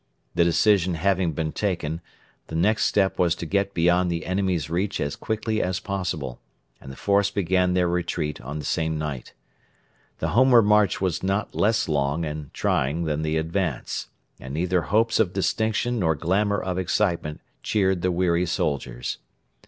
The decision having been taken, the next step was to get beyond the enemy's reach as quickly as possible, and the force began their retreat on the same night. The homeward march was not less long and trying than the advance, and neither hopes of distinction nor glamour of excitement cheered the weary soldiers.